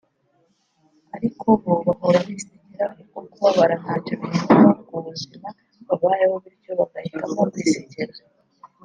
ariko bo bahora bisekera kuko kubabara ntacyo bihindura ku buzima babayeho bityo bagahitamo kwisekera